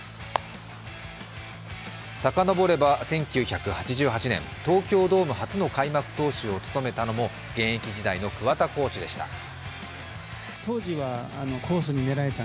さかのぼれば１９８８年東京ドーム初の開幕投手を務めたのも現役時代の桑田コーチでした。